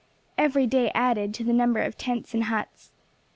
Every day added to the number of tents and huts.